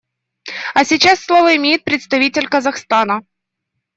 А сейчас слово имеет представитель Казахстана.